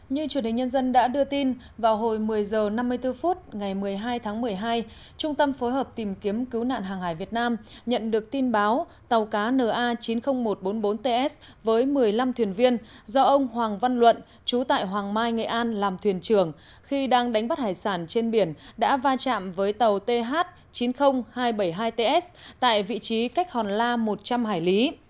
như chủ tịch nhân dân đã đưa tin vào hồi một mươi h năm mươi bốn phút ngày một mươi hai tháng một mươi hai trung tâm phối hợp tìm kiếm cứu nạn hàng hải việt nam nhận được tin báo tàu cá na chín mươi nghìn một trăm bốn mươi bốn ts với một mươi năm thuyền viên do ông hoàng văn luận chú tại hoàng mai nghệ an làm thuyền trưởng khi đang đánh bắt hải sản trên biển đã va chạm với tàu th chín mươi nghìn hai trăm bảy mươi hai ts tại vị trí cách hòn la một trăm linh hải lý